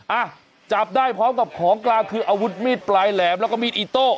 อ่ะจับได้พร้อมกับของกลางคืออาวุธมีดปลายแหลมแล้วก็มีดอิโต้